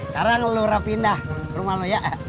tarang lo rapindah ke rumah lo ya